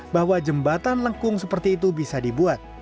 bahwa jembatan lengkung seperti itu bisa dibuat